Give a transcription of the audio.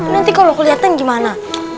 nanti kalau aku liatin gimana